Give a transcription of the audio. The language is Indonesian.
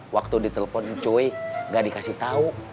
waktu ditelepon cuy gak dikasih tau